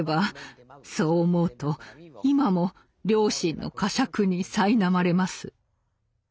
そう思うと今も良心のかしゃくにさいなまれます。